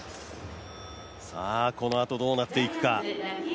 このあと、どうなっていくか。